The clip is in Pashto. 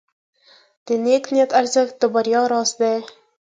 د نیک نیت ارزښت د بریا راز دی.